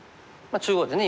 中央でね